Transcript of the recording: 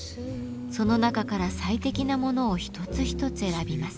その中から最適なものを一つ一つ選びます。